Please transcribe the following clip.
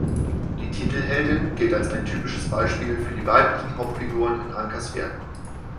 Die Titelheldin gilt als ein typisches Beispiel für die weiblichen Hauptfiguren in Ankers Werken.